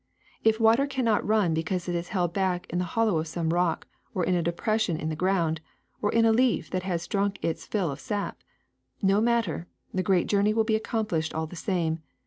*^If water cannot run because it is held back in the hollow of some rock, or in a depression in the ground, or in a leaf that has drunk its fill of sap, no matter: the great journey will be accomplished all the same.